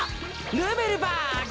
ヌーベルバーグ。